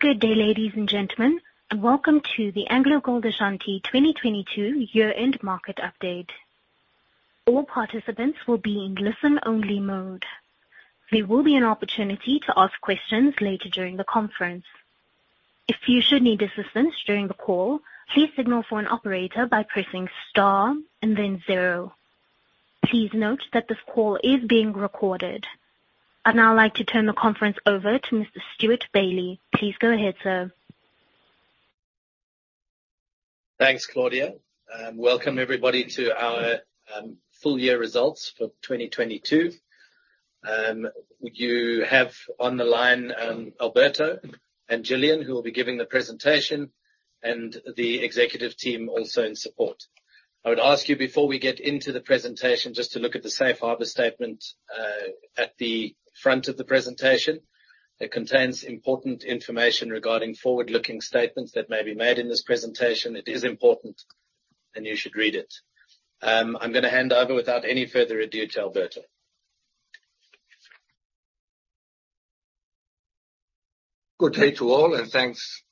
Good day, ladies and gentlemen, and welcome to the AngloGold Ashanti 2022 year-end market update. All participants will be in listen-only mode. There will be an opportunity to ask questions later during the conference. If you should need assistance during the call, please signal for an operator by pressing star and then 0. Please note that this call is being recorded. I'd now like to turn the conference over to Mr. Stewart Bailey. Please go ahead, sir. Thanks, Claudia, welcome everybody to our full year results for 2022. You have on the line Alberto and Gillian, who will be giving the presentation, and the executive team also in support. I would ask you, before we get into the presentation, just to look at the safe harbor statement at the front of the presentation. It contains important information regarding forward-looking statements that may be made in this presentation. It is important, and you should read it. I'm going to hand over without any further ado to Alberto. Good day to all, and thanks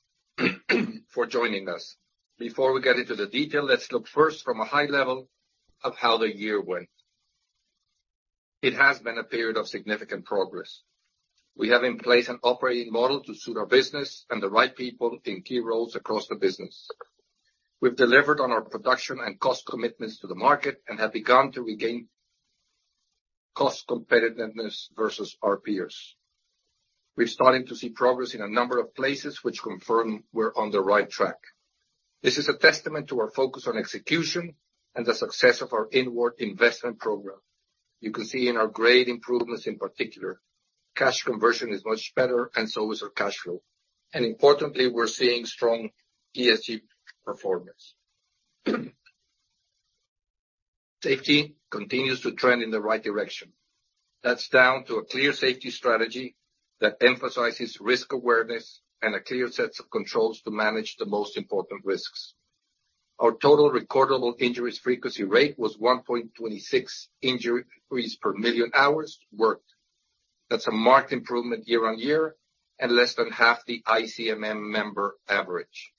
for joining us. Before we get into the detail, let's look first from a high level of how the year went. It has been a period of significant progress. We have in place an operating model to suit our business and the right people in key roles across the business. We've delivered on our production and cost commitments to the market and have begun to regain cost competitiveness versus our peers. We're starting to see progress in a number of places which confirm we're on the right track. This is a testament to our focus on execution and the success of our inward investment program. You can see in our grade improvements in particular, cash conversion is much better and so is our cash flow. Importantly, we're seeing strong ESG performance. Safety continues to trend in the right direction. That's down to a clear safety strategy that emphasizes risk awareness and a clear set of controls to manage the most important risks. Our Total Recordable Injury Frequency Rate was 1.26 injuries per million hours worked. That's a marked improvement year-over-year and less than half the ICMM member average.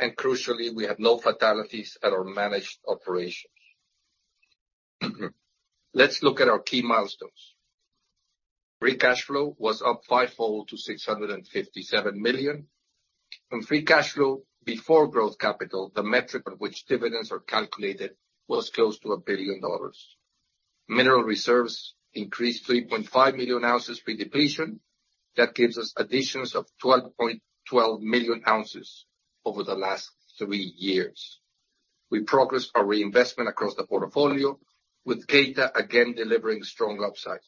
Crucially, we have no fatalities at our managed operations. Let's look at our key milestones. Free cash flow was up fivefold to $657 million. Free cash flow before growth capital, the metric on which dividends are calculated, was close to $1 billion. Mineral reserves increased 3.5 million ounces pre-depletion. That gives us additions of 12.12 million ounces over the last three years. We progressed our reinvestment across the portfolio, with Geita again delivering strong upside.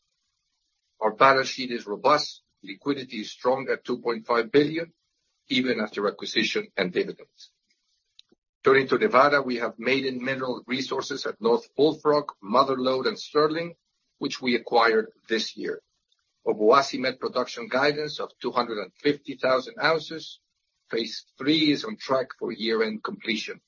Our balance sheet is robust. Liquidity is strong at $2.5 billion, even after acquisition and dividends. Turning to Nevada, we have maiden mineral resources at North Bullfrog, Mother Lode, and Sterling, which we acquired this year. Obuasi met production guidance of 250,000 ounces. Phase III is on track for year-end completion.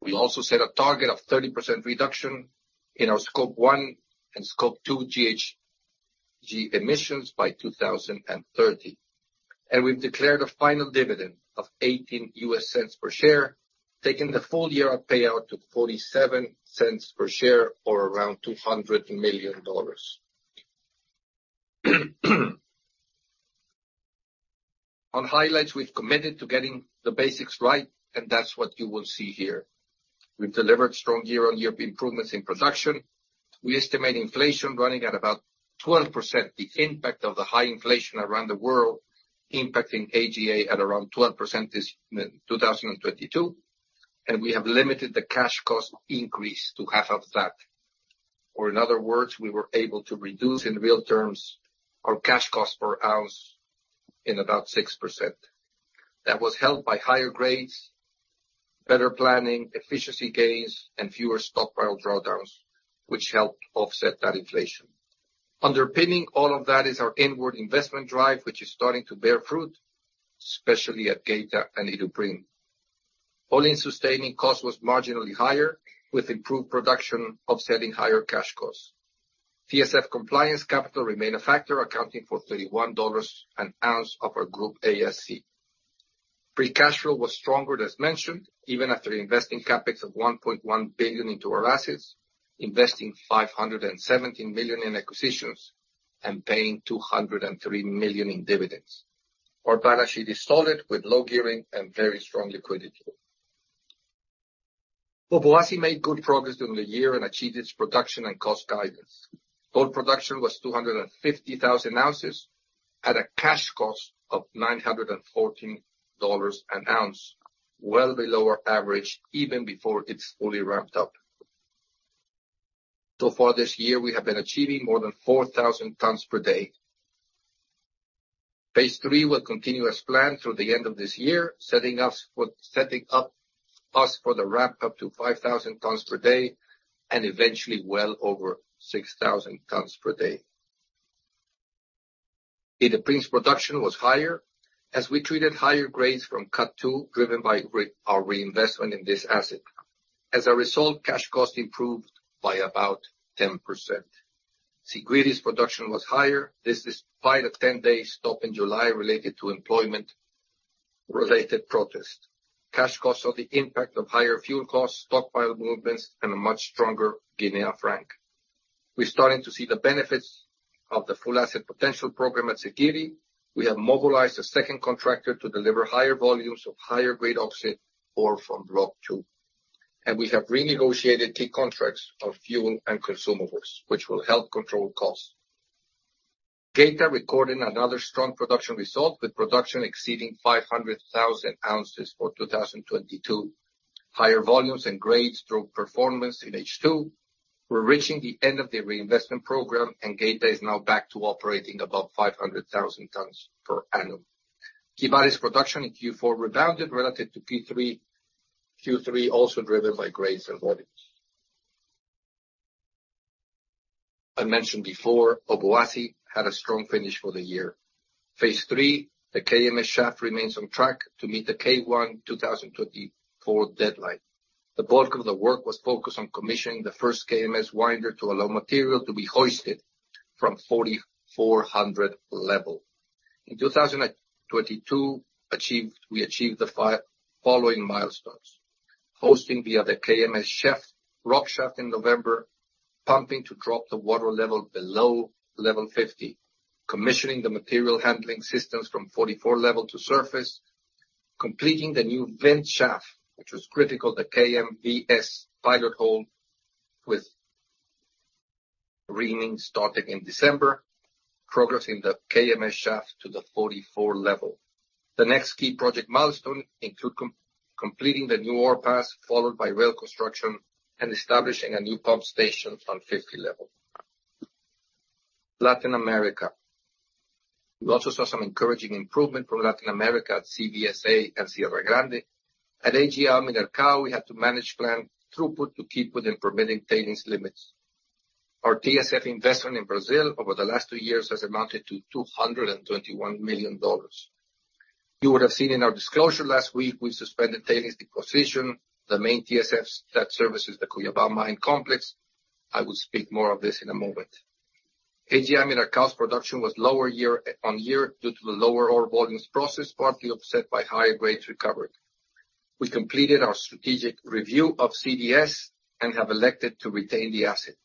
We also set a target of 30% reduction in our Scope 1 and Scope 2 GHG emissions by 2030. We've declared a final dividend of $0.18 per share, taking the full year payout to $0.47 per share, or around $200 million. On highlights, we've committed to getting the basics right, and that's what you will see here. We've delivered strong year-on-year improvements in production. We estimate inflation running at about 12%. The impact of the high inflation around the world impacting AGA at around 12% is 2022, and we have limited the cash cost increase to half of that. In other words, we were able to reduce in real terms our cash cost per ounce in about 6%. That was helped by higher grades, better planning, efficiency gains, and fewer stockpile drawdowns, which helped offset that inflation. Underpinning all of that is our inward investment drive, which is starting to bear fruit, especially at Geita and Iduapriem. All-in sustaining cost was marginally higher, with improved production offsetting higher cash costs. PSF compliance capital remained a factor, accounting for $31 an ounce of our group AISC. Pre-cash flow was stronger, as mentioned, even after investing CapEx of $1.1 billion into our assets, investing $517 million in acquisitions, and paying $203 million in dividends. Our balance sheet is solid, with low gearing and very strong liquidity. Obuasi made good progress during the year and achieved its production and cost guidance. Gold production was 250,000 ounces at a cash cost of $914 an ounce, well below our average, even before it's fully ramped up. So far this year, we have been achieving more than 4,000 tons per day. Phase III will continue as planned through the end of this year, setting up us for the ramp up to 5,000 tons per day and eventually well over 6,000 tons per day. Iduapriem's production was higher as we treated higher grades from Cut Two, driven by our reinvestment in this asset. As a result, cash cost improved by about 10%. Siguiri's production was higher. This despite a 10-day stop in July related to employment-related protests. Cash costs saw the impact of higher fuel costs, stockpile movements, and a much stronger Guinea franc. We're starting to see the benefits of the Full Asset Potential program at Siguiri. We have mobilized a second contractor to deliver higher volumes of higher-grade oxide ore from block two. We have renegotiated key contracts of fuel and consumables, which will help control costs. Geita recorded another strong production result, with production exceeding 500,000 ounces for 2022. Higher volumes and grades drove performance in H2. We're reaching the end of the reinvestment program, and Geita is now back to operating above 500,000 tons per annum. Kibali's production in Q4 rebounded relative to Q3, also driven by grades and volumes. I mentioned before, Obuasi had a strong finish for the year. Phase III, the Kwesi Mensah Shaft shaft remains on track to meet the K1 2024 deadline. The bulk of the work was focused on commissioning the first KMS winder to allow material to be hoisted from 4,400 level. In 2022, we achieved the following milestones: hosting via the Kwesi Mensah Shaft, rock shaft in November, pumping to drop the water level below level 50, commissioning the material handling systems from 44 level to surface, completing the new vent shaft, which was critical to KMVS pilot hole, with reaming starting in December, progressing the Kwesi Mensah Shaft to the 44 level. The next key project milestone include completing the new ore pass, followed by rail construction and establishing a new pump station on 50 level. Latin America. We also saw some encouraging improvement from Latin America at CVSA and Serra Grande. At AGM and ArcAO, we had to manage plant throughput to keep within permitting tailings limits. Our TSF investment in Brazil over the last 2 years has amounted to $221 million. You would have seen in our disclosure last week, we suspended tailings deposition, the main TSFs that services the Cuiabá Mine Complex. I will speak more of this in a moment. AGM and ArcAO's production was lower year-on-year due to the lower ore volumes processed, partly offset by higher grades recovered. We completed our strategic review of CdS and have elected to retain the asset.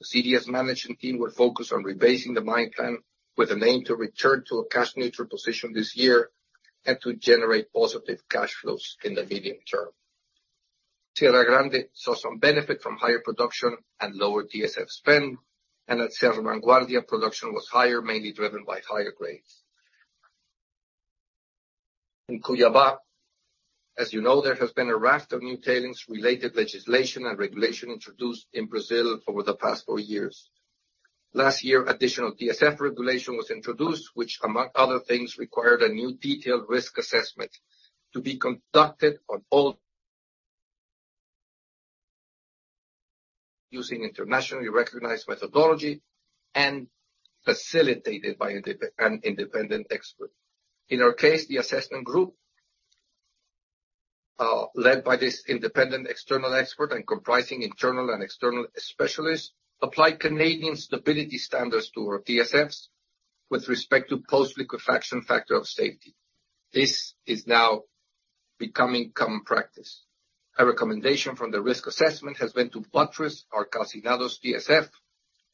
The CdS management team will focus on rebasing the mine plan with an aim to return to a cash-neutral position this year, and to generate positive cash flows in the medium term. Serra Grande saw some benefit from higher production and lower TSF spend, and at Cerro Vanguardia production was higher, mainly driven by higher grades. In Cuiabá, as you know, there has been a raft of new tailings-related legislation and regulation introduced in Brazil over the past 4 years. Last year, additional TSF regulation was introduced, which, among other things, required a new detailed risk assessment to be conducted on all using internationally recognized methodology and facilitated by an independent expert. In our case, the assessment group, led by this independent external expert and comprising internal and external specialists, applied Canadian stability standards to our TSFs with respect to post-liquefaction factor of safety. This is now becoming common practice. A recommendation from the risk assessment has been to buttress our Calcinados TSF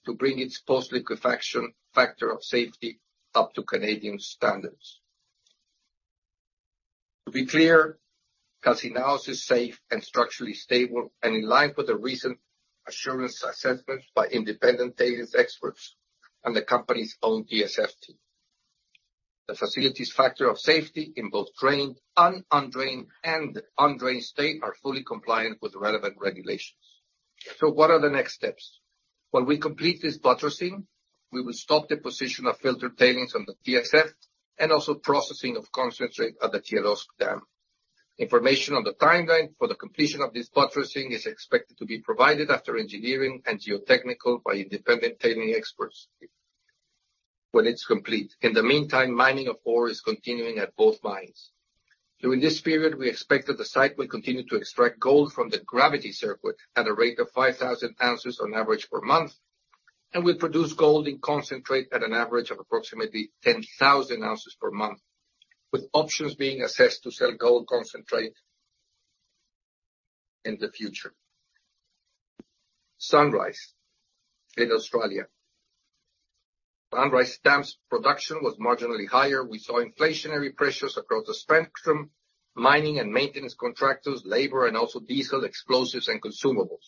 to bring its post-liquefaction factor of safety up to Canadian standards. To be clear, Calcinados is safe and structurally stable and in line with a recent assurance assessment by independent data's experts and the company's own TSF team. The facilities factor of safety in both drained and undrained state are fully compliant with the relevant regulations. What are the next steps? When we complete this buttressing, we will stop the position of filter tailings on the TSF and also processing of concentrate at the CdS dam. Information on the timeline for the completion of this buttressing is expected to be provided after engineering and geotechnical by independent tailing experts when it's complete. In the meantime, mining of ore is continuing at both mines. During this period, we expect that the site will continue to extract gold from the gravity circuit at a rate of 5,000 ounces on average per month, and we produce gold in concentrate at an average of approximately 10,000 ounces per month, with options being assessed to sell gold concentrate in the future. Sunrise in Australia. Sunrise dam's production was marginally higher. We saw inflationary pressures across the spectrum: mining and maintenance contractors, labor, and also diesel, explosives and consumables.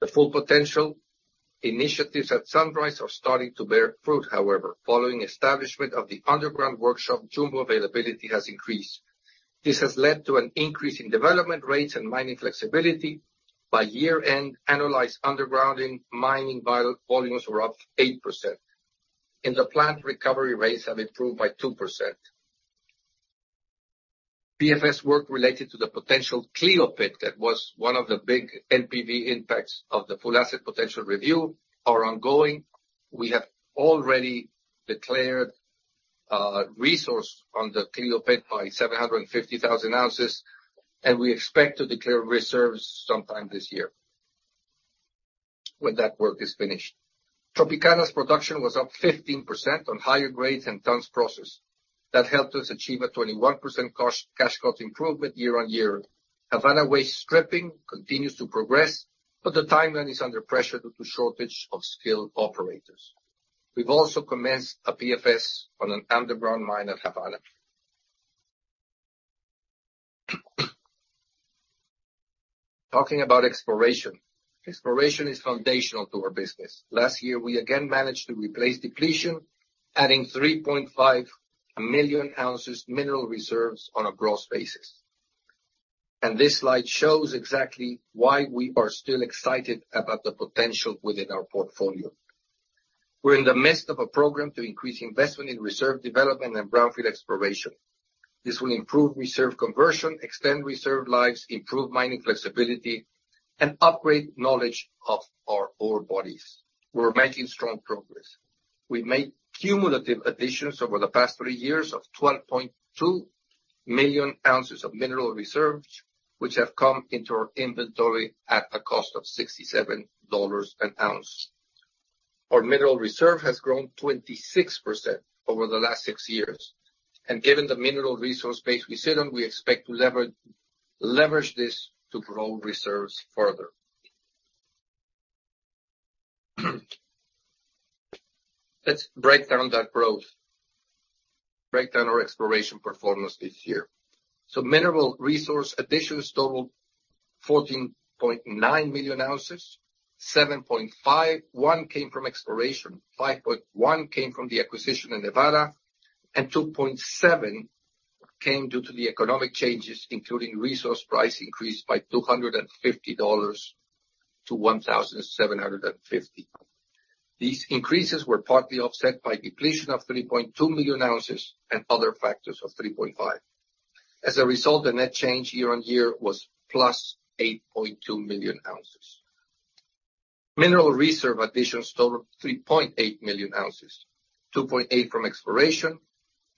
The full potential initiatives at Sunrise are starting to bear fruit, however. Following establishment of the underground workshop, jumbo availability has increased. This has led to an increase in development rates and mining flexibility. By year-end, analyzed undergrounding mining volumes were up 8%, and the plant recovery rates have improved by 2%. PFS work related to the potential Cleopatra that was one of the big NPV impacts of the Full Asset Potential review are ongoing. We have already declared resource on the Cleopatra pit by 750,000 ounces, and we expect to declare reserves sometime this year when that work is finished. Tropicana's production was up 15% on higher grades and tons processed. That helped us achieve a 21% cash cost improvement year-on-year. Havana West stripping continues to progress. The timeline is under pressure due to shortage of skilled operators. We've also commenced a PFS on an underground mine at Havana. Talking about exploration. Exploration is foundational to our business. Last year, we again managed to replace depletion, adding 3.5 million ounces mineral reserves on a gross basis. This slide shows exactly why we are still excited about the potential within our portfolio. We're in the midst of a program to increase investment in reserve development and brownfield exploration. This will improve reserve conversion, extend reserve lives, improve mining flexibility, and upgrade knowledge of our ore bodies. We're making strong progress. We've made cumulative additions over the past 3 years of 12.2 million ounces of mineral reserves, which have come into our inventory at a cost of $67 an ounce. Our mineral reserve has grown 26% over the last 6 years. Given the mineral resource base we sit on, we expect to leverage this to grow reserves further. Let's break down that growth, break down our exploration performance this year. Mineral resource additions totaled 14.9 million ounces. 7.51 came from exploration, 5.1 came from the acquisition in Nevada, 2.7 came due to the economic changes, including resource price increase by $250 to $1,750. These increases were partly offset by depletion of 3.2 million ounces and other factors of 3.5 million ounces. As a result, the net change year-over-year was +8.2 million ounces. Mineral reserve additions totaled 3.8 million ounces, 2.8 from exploration,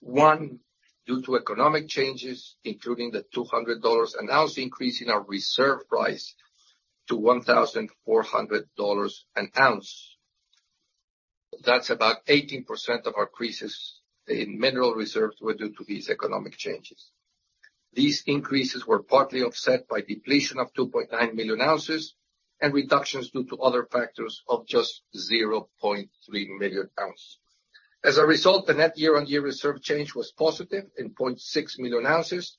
1 due to economic changes, including the $200 an ounce increase in our reserve price to $1,400 an ounce. That's about 18% of our increases in mineral reserves were due to these economic changes. These increases were partly offset by depletion of 2.9 million ounces and reductions due to other factors of just 0.3 million ounces. As a result, the net year-on-year reserve change was positive in 0.6 million ounces.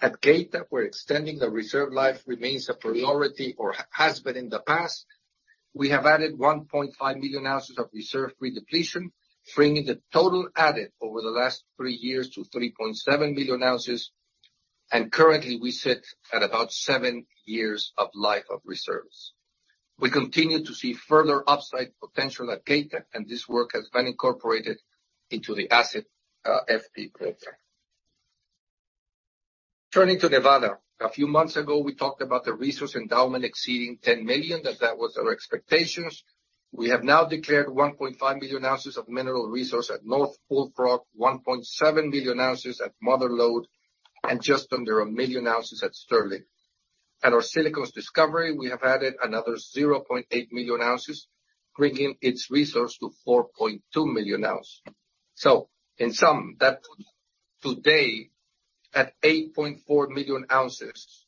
At Geita, we're extending the reserve life remains a priority or has been in the past. We have added 1.5 million ounces of reserve redepletion, bringing the total added over the last three years to 3.7 million ounces, currently we sit at about 7 years of life of reserves. We continue to see further upside potential at Geita. This work has been incorporated into the asset FP project. Turning to Nevada. A few months ago, we talked about the resource endowment exceeding 10 million, that was our expectations. We have now declared 1.5 million ounces of mineral resource at North Bullfrog, 1.7 million ounces at Mother Lode, just under 1 million ounces at Sterling. At our Silicon discovery, we have added another 0.8 million ounces, bringing its resource to 4.2 million ounces. In sum, that today, at 8.4 million ounces,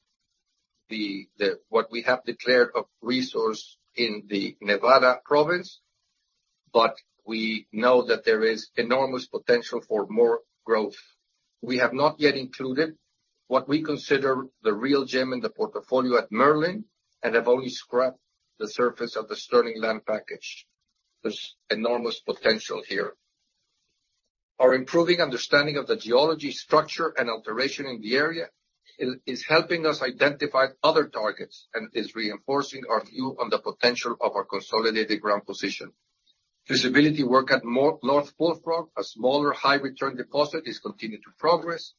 the what we have declared of resource in the Nevada province, we know that there is enormous potential for more growth. We have not yet included what we consider the real gem in the portfolio at Merlin and have only scratched the surface of the Sterling land package. There's enormous potential here. Our improving understanding of the geology structure and alteration in the area is helping us identify other targets and is reinforcing our view on the potential of our consolidated ground position. Feasibility work at North Bullfrog, a smaller high return deposit, is continuing to progress.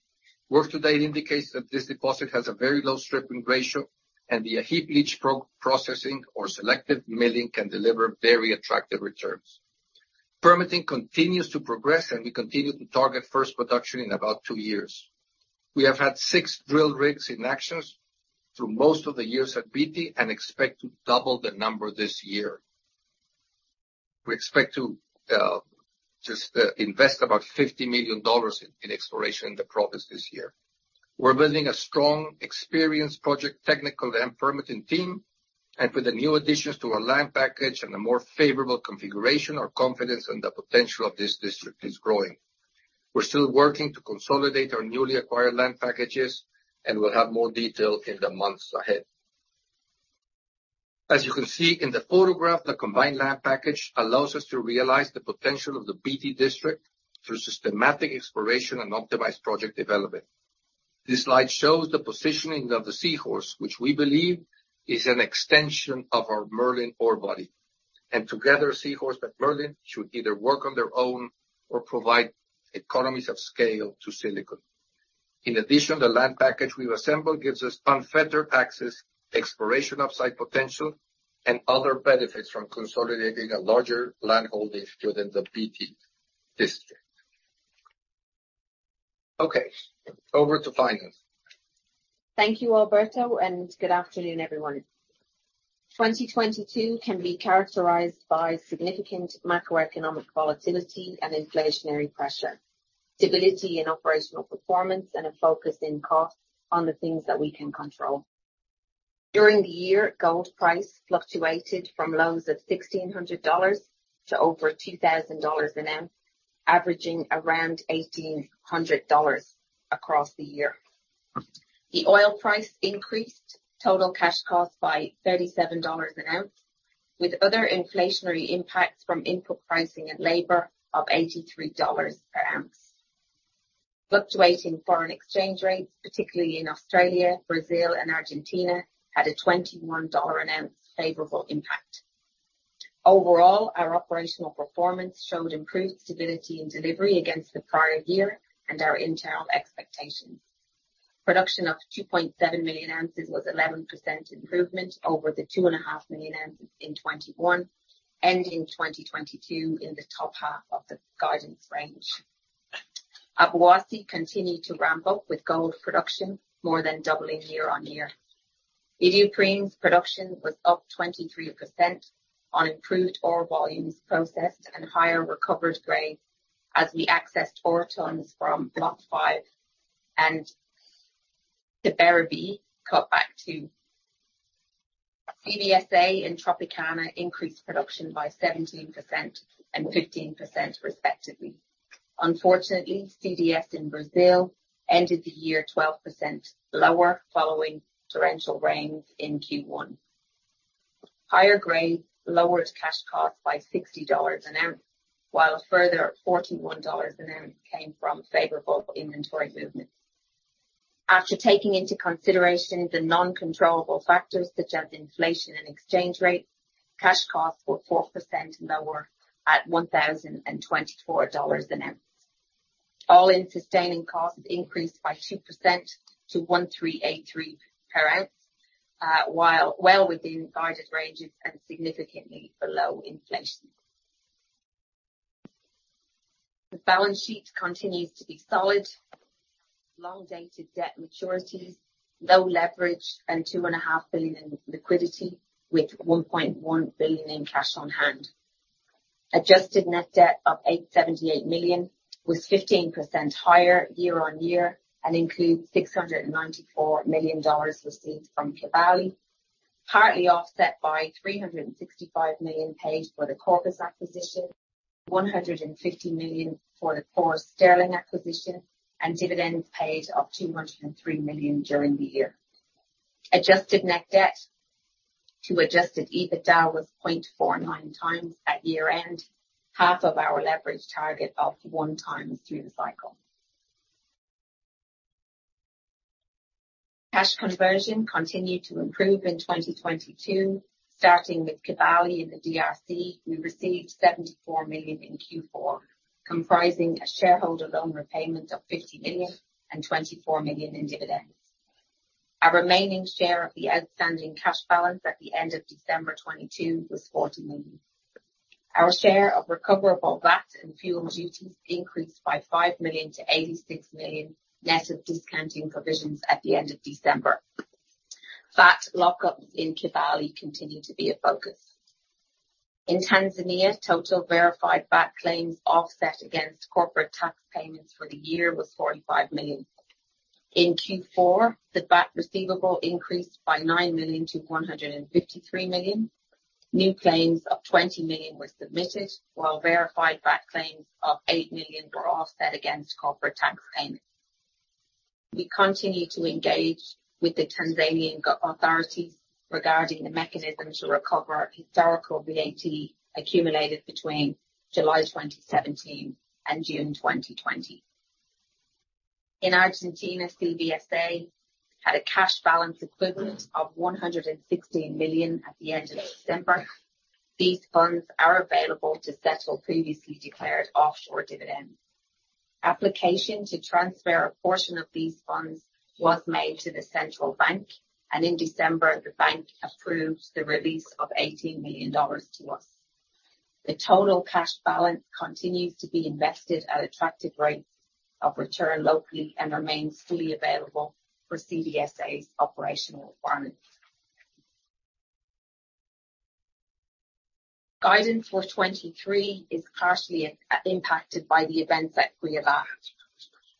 Work to date indicates that this deposit has a very low stripping ratio and the heap leach processing or selective milling can deliver very attractive returns. Permitting continues to progress, and we continue to target first production in about 2 years. We have had 6 drill rigs in actions through most of the years at Beatty and expect to double the number this year. We expect to just invest about $50 million in exploration in the province this year. We're building a strong, experienced project, technical and permitting team. With the new additions to our land package and a more favorable configuration, our confidence in the potential of this district is growing. We're still working to consolidate our newly acquired land packages. We'll have more detail in the months ahead. As you can see in the photograph, the combined land package allows us to realize the potential of the Beatty District through systematic exploration and optimized project development. This slide shows the positioning of the Seahorse, which we believe is an extension of our Merlin ore body. Together, Seahorse and Merlin should either work on their own or provide economies of scale to Silicon. In addition, the land package we've assembled gives us unfettered access to exploration upside potential and other benefits from consolidating a larger landholding within the Beatty District. Okay, over to finance. Thank you, Alberto, and good afternoon, everyone. 2022 can be characterized by significant macroeconomic volatility and inflationary pressure, stability in operational performance, and a focus in cost on the things that we can control. During the year, gold price fluctuated from lows of $1,600 to over $2,000 an ounce, averaging around $1,800 across the year. The oil price increased total cash costs by $37 an ounce, with other inflationary impacts from input pricing and labor of $83 per ounce. Fluctuating foreign exchange rates, particularly in Australia, Brazil and Argentina, had a $21 an ounce favorable impact. Overall, our operational performance showed improved stability and delivery against the prior year and our internal expectations. Production of 2.7 million ounces was 11% improvement over the 2.5 million ounces in 2021, ending in 2022 in the top half of the guidance range. Obuasi continued to ramp up, with gold production more than doubling year-on-year. Iduapriem's production was up 23% on improved ore volumes processed and higher recovered grade as we accessed ore tons from block 5 and the CVSA in Tropicana increased production by 17% and 15% respectively. Unfortunately, CDS in Brazil ended the year 12% lower following torrential rains in Q1. Higher grades lowered cash costs by $60 an ounce, while a further $41 an ounce came from favorable inventory movements. After taking into consideration the non-controllable factors such as inflation and exchange rates, cash costs were 4% lower at $1,024 an ounce. All-in sustaining costs increased by 2% to $1,383 per ounce, while well within guided ranges and significantly below inflation. The balance sheet continues to be solid. Long dated debt maturities, low leverage and $2.5 billion in liquidity with $1.1 billion in cash on hand. Adjusted net debt of $878 million was 15% higher year-on-year and includes $694 million received from Kibali, partly offset by $365 million paid for the Corvus acquisition, $150 million for the Coeur Sterling acquisition, and dividends paid of $203 million during the year. Adjusted net debt to adjusted EBITDA was 0.49 times at year-end, half of our leverage target of 1 times through the cycle. Cash conversion continued to improve in 2022, starting with Kibali in the DRC, we received $74 million in Q4, comprising a shareholder loan repayment of $50 million and $24 million in dividends. Our remaining share of the outstanding cash balance at the end of December 2022 was $40 million. Our share of recoverable VAT and fuel duties increased by $5 million to $86 million, net of discounting provisions at the end of December. VAT lockups in Kibali continue to be a focus. In Tanzania, total verified VAT claims offset against corporate tax payments for the year was $45 million. In Q4, the VAT receivable increased by $9 million to $153 million. New claims of $20 million were submitted, while verified VAT claims of $8 million were offset against corporate tax payments. We continue to engage with the Tanzanian authorities regarding the mechanism to recover historical VAT accumulated between July 2017 and June 2020. In Argentina, CVSA had a cash balance equivalent of $116 million at the end of December. These funds are available to settle previously declared offshore dividends. Application to transfer a portion of these funds was made to the central bank, in December, the bank approved the release of $80 million to us. The total cash balance continues to be invested at attractive rates of return locally and remains fully available for CVSA's operational requirements. Guidance for 2023 is partially impacted by the events at Cuiabá.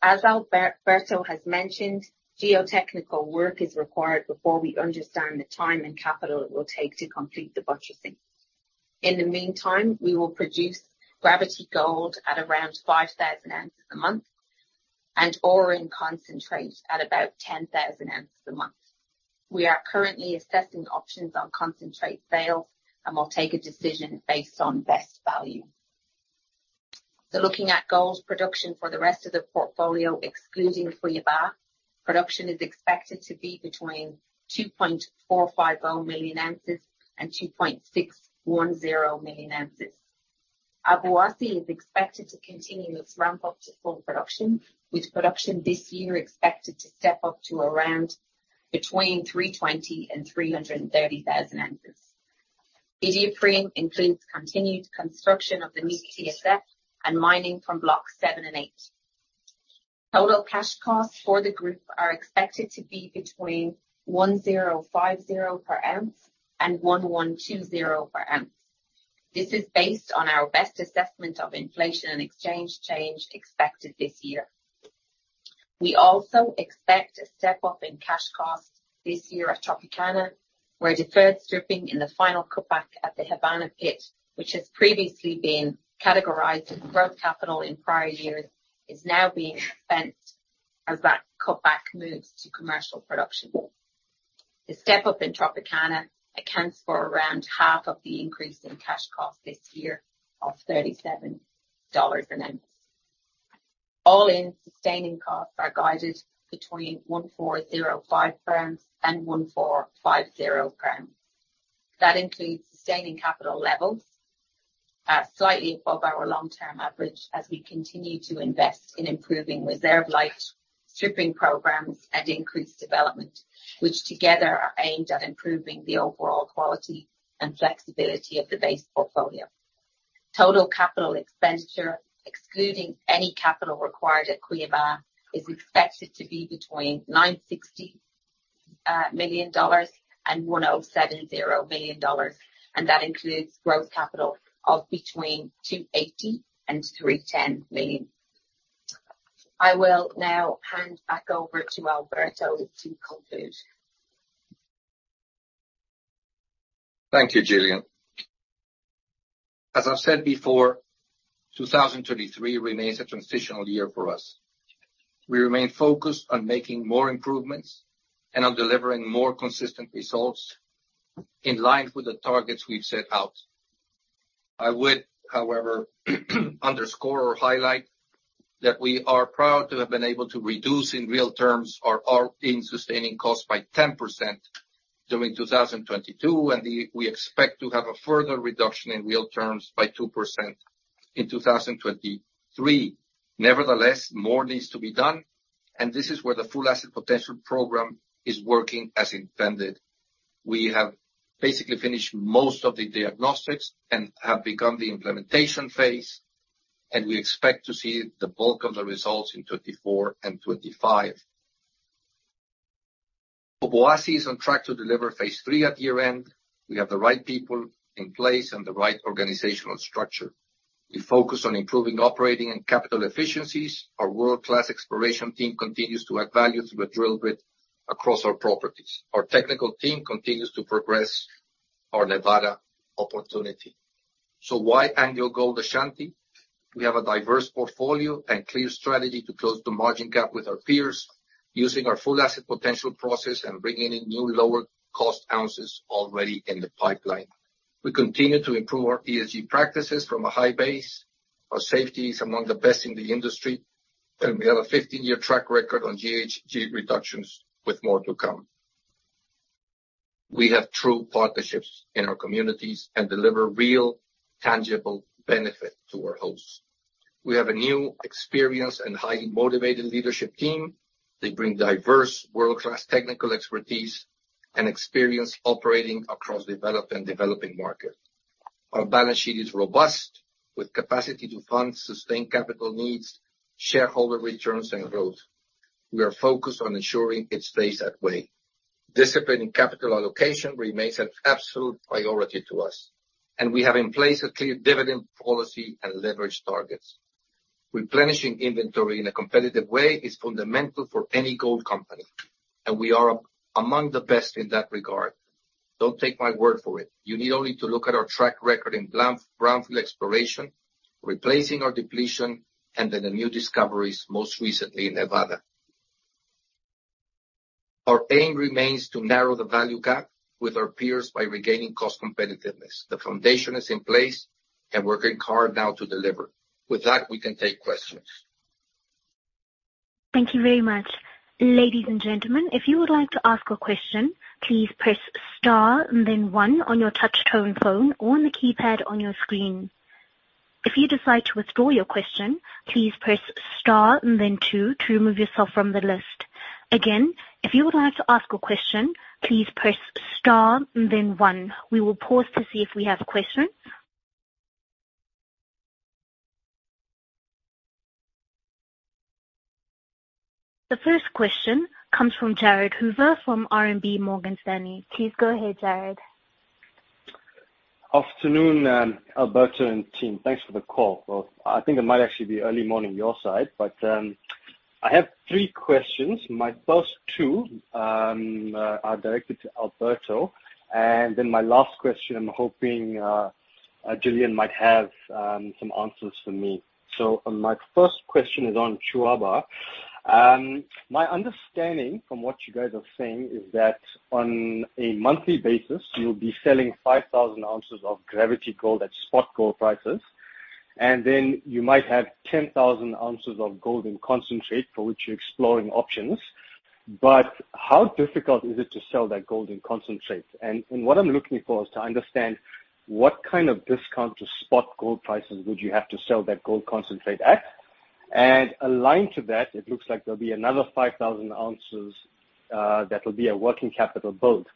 As Alberto has mentioned, geotechnical work is required before we understand the time and capital it will take to complete the buttressing. In the meantime, we will produce gravity gold at around 5,000 ounces a month and ore and concentrate at about 10,000 ounces a month. We are currently assessing options on concentrate sales, and we'll take a decision based on best value. Looking at gold production for the rest of the portfolio, excluding Cuiabá, production is expected to be between 2.450 million ounces and 2.610 million ounces. Obuasi is expected to continue its ramp up to full production, with production this year expected to step up to around between 320,000 and 330,000 ounces. Iduapriem includes continued construction of the new TSF and mining from block 7 and 8. Total cash costs for the group are expected to be between $1,050 per ounce and $1,120 per ounce. This is based on our best assessment of inflation and exchange change expected this year. We also expect a step-up in cash costs this year at Tropicana, where deferred stripping in the final cutback at the Havana pit, which has previously been categorized as growth capital in prior years, is now being expensed as that cutback moves to commercial production. The step-up in Tropicana accounts for around half of the increase in cash costs this year of $37 an ounce. All-in sustaining costs are guided between 1,405 grams and 1,450 grams. That includes sustaining capital levels, slightly above our long-term average as we continue to invest in improving reserve life, stripping programs and increased development, which together are aimed at improving the overall quality and flexibility of the base portfolio. Total capital expenditure, excluding any capital required at Kibali, is expected to be between $960 million and $1,070 million. That includes growth capital of between $280 million and $310 million. I will now hand back over to Alberto to conclude. Thank you, Gillian. As I've said before, 2023 remains a transitional year for us. We remain focused on making more improvements and on delivering more consistent results in line with the targets we've set out. I would, however, underscore or highlight that we are proud to have been able to reduce, in real terms, our in Sustaining Costs by 10% during 2022, and we expect to have a further reduction in real terms by 2% in 2023. Nevertheless, more needs to be done, and this is where the Full Asset Potential program is working as intended. We have basically finished most of the diagnostics and have begun the implementation phase, and we expect to see the bulk of the results in 2024 and 2025. Obuasi is on track to deliver Phase III at year-end. We have the right people in place and the right organizational structure. We focus on improving operating and capital efficiencies. Our world-class exploration team continues to add value through the drill bit across our properties. Our technical team continues to progress our Nevada opportunity. Why AngloGold Ashanti? We have a diverse portfolio and clear strategy to close the margin gap with our peers using our Full Asset Potential process and bringing in new lower cost ounces already in the pipeline. We continue to improve our ESG practices from a high base. Our safety is among the best in the industry, and we have a 15-year track record on GHG reductions with more to come. We have true partnerships in our communities and deliver real, tangible benefit to our hosts. We have a new experience and highly motivated leadership team. They bring diverse world-class technical expertise and experience operating across developed and developing markets. Our balance sheet is robust, with capacity to fund sustained capital needs, shareholder returns, and growth. We are focused on ensuring it stays that way. Disciplining capital allocation remains an absolute priority to us, and we have in place a clear dividend policy and leverage targets. Replenishing inventory in a competitive way is fundamental for any gold company, and we are among the best in that regard. Don't take my word for it. You need only to look at our track record in brownfield exploration, replacing our depletion, and then the new discoveries, most recently in Nevada. Our aim remains to narrow the value gap with our peers by regaining cost competitiveness. The foundation is in place, and we're working hard now to deliver. With that, we can take questions. Thank you very much. Ladies and gentlemen, if you would like to ask a question, please press star and then one on your touch-tone phone or on the keypad on your screen. If you decide to withdraw your question, please press star and then two to remove yourself from the list. Again, if you would like to ask a question, please press star and then one. We will pause to see if we have questions. The first question comes from Jared Hoover from RMB Morgan Stanley. Please go ahead, Jared. Afternoon, Alberto and team. Thanks for the call. I think it might actually be early morning your side, but I have three questions. My first two are directed to Alberto, my last question I'm hoping Gillian might have some answers for me. My first question is on Kibali. My understanding from what you guys are saying is that on a monthly basis, you'll be selling 5,000 ounces of gravity gold at spot gold prices, you might have 10,000 ounces of gold in concentrate for which you're exploring options. How difficult is it to sell that gold in concentrates? What I'm looking for is to understand what kind of discount to spot gold prices would you have to sell that gold concentrate at? Aligned to that, it looks like there'll be another 5,000 ounces that will be a working capital build.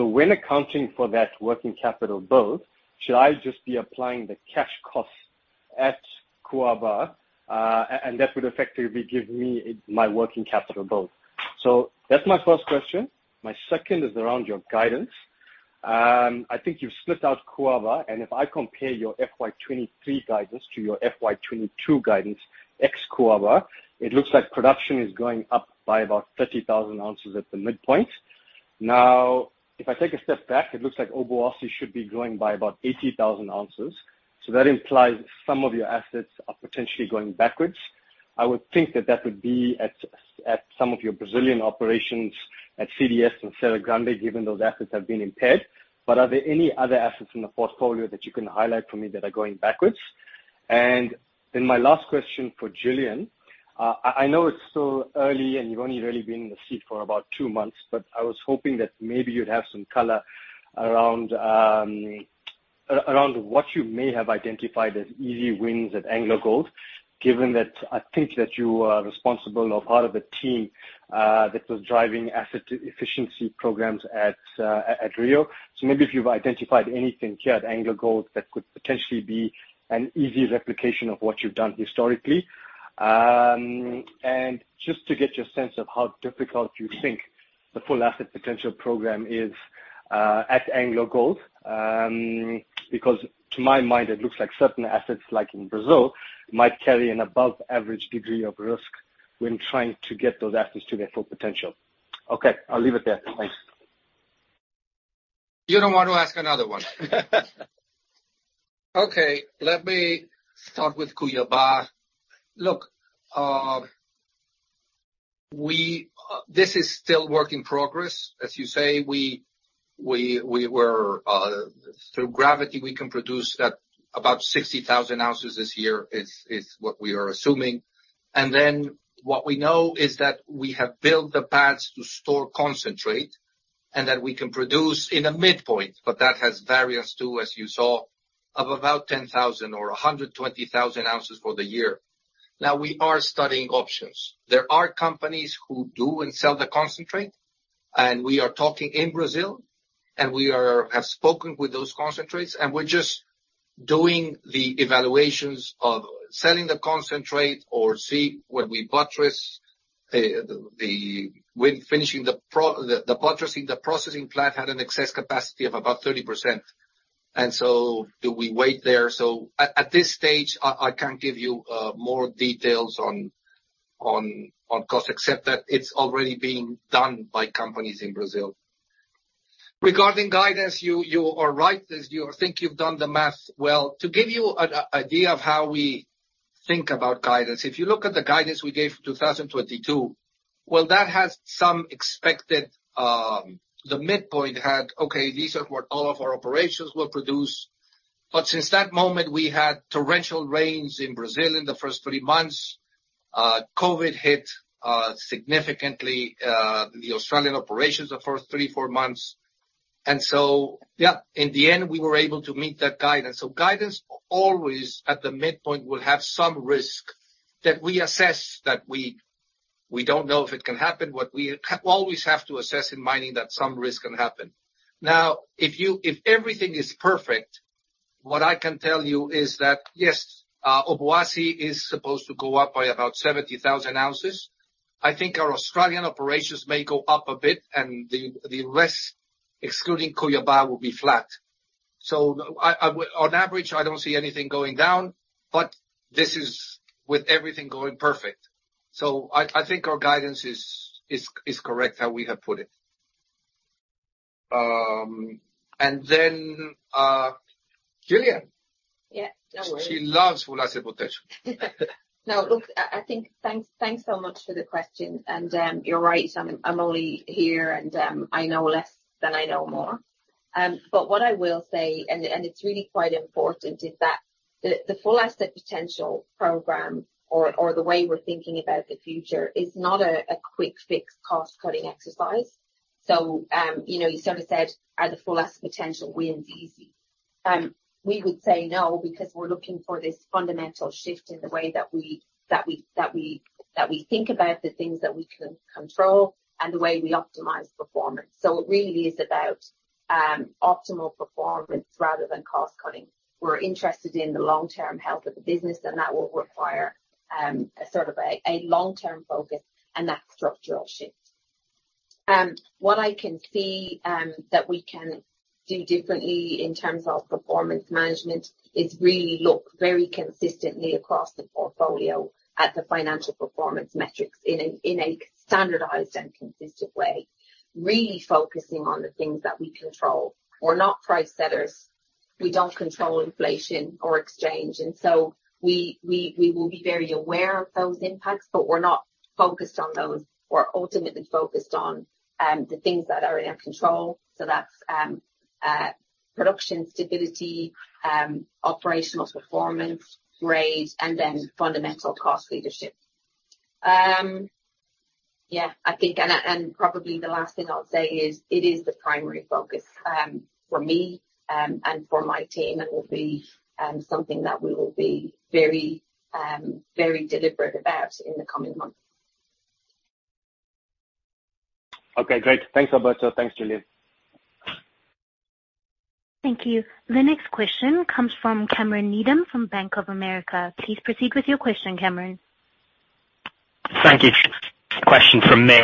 When accounting for that working capital build, should I just be applying the cash costs at Cuiabá, and that would effectively give me my working capital build. That's my first question. My second is around your guidance. I think you've slipped out Cuiabá, and if I compare your FY 2023 guidance to your FY 2022 guidance ex Cuiabá, it looks like production is going up by about 30,000 ounces at the midpoint. If I take a step back, it looks like Obuasi should be growing by about 80,000 ounces. That implies some of your assets are potentially going backwards. I would think that that would be at some of your Brazilian operations at CDS and Serra Grande, given those assets have been impaired. Are there any other assets in the portfolio that you can highlight for me that are going backwards? My last question for Gillian. I know it's still early, and you've only really been in the seat for about two months, but I was hoping that maybe you'd have some color around what you may have identified as easy wins at AngloGold, given that I think that you are responsible or part of a team that was driving asset efficiency programs at Rio. Maybe if you've identified anything here at AngloGold that could potentially be an easy replication of what you've done historically. Just to get your sense of how difficult you think the Full Asset Potential program is at AngloGold, because to my mind, it looks like certain assets, like in Brazil, might carry an above average degree of risk when trying to get those assets to their full potential. Okay, I'll leave it there. Thanks. You don't want to ask another one. Okay, let me start with Cuiabá. Look, we, this is still work in progress, as you say. We were through gravity, we can produce at about 60,000 ounces this year, is what we are assuming. What we know is that we have built the pads to store concentrate, and that we can produce in a midpoint, but that has variance too, as you saw, of about 10,000 or 120,000 ounces for the year. We are studying options. There are companies who do and sell the concentrate, we are talking in Brazil, and we have spoken with those concentrates, and we're just doing the evaluations of selling the concentrate or see when we buttress, the, when finishing The buttressing. The processing plant had an excess capacity of about 30%, do we wait there? At this stage, I can't give you more details on cost, except that it's already being done by companies in Brazil. Regarding guidance, you are right. As you think you've done the math well. To give you an idea of how we think about guidance, if you look at the guidance we gave for 2022, well, that has some expected, the midpoint had, okay, these are what all of our operations will produce. Since that moment, we had torrential rains in Brazil in the first 3 months. COVID hit significantly the Australian operations the first 3, 4 months. Yeah, in the end, we were able to meet that guidance. Guidance always at the midpoint will have some risk that we assess that we don't know if it can happen, but we always have to assess in mining that some risk can happen. If you, if everything is perfect, what I can tell you is that, yes, Obuasi is supposed to go up by about 70,000 ounces. I think our Australian operations may go up a bit and the rest, excluding Cuiabá, will be flat. On average, I don't see anything going down, but this is with everything going perfect. I think our guidance is correct, how we have put it. Gillian. Yeah. No worries. She loves Full Asset Potential. No, look, I think thanks so much for the question. You're right. I'm only here and I know less than I know more. What I will say, and it's really quite important, is that the Full Asset Potential program or the way we're thinking about the future is not a quick fix cost-cutting exercise. You know, you sort of said, are the Full Asset Potential wins easy? We would say no, because we're looking for this fundamental shift in the way that we think about the things that we can control and the way we optimize performance. It really is about optimal performance rather than cost cutting. We're interested in the long-term health of the business. That will require a sort of a long-term focus and that structural shift. What I can see that we can do differently in terms of performance management is really look very consistently across the portfolio at the financial performance metrics in a standardized and consistent way, really focusing on the things that we control. We're not price setters. We don't control inflation or exchange. We will be very aware of those impacts, but we're not focused on those. We're ultimately focused on the things that are in our control. That's production stability, operational performance, grade, and then fundamental cost leadership. Yeah, I think and probably the last thing I'll say is it is the primary focus, for me, and for my team. It will be, something that we will be very, very deliberate about in the coming months. Okay, great. Thanks, Alberto. Thanks, Gillian. Thank you. The next question comes from Cameron Needham from Bank of America. Please proceed with your question, Cameron. Thank you. Question from me.